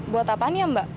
buat apa nih mbak